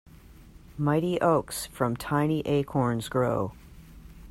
Mighty oaks from tiny acorns grow.